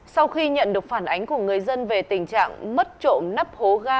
sau khi nhận được phản ánh của người dân về tình trạng mất trộm nắp hố ga